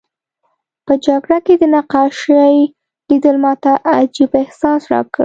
په جګړه کې د نقاشۍ لیدل ماته عجیب احساس راکړ